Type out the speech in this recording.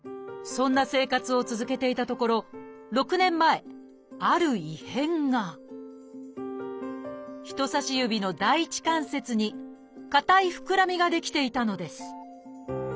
そんな生活を続けていたところ６年前ある異変が人さし指の第一関節に硬い膨らみが出来ていたのです。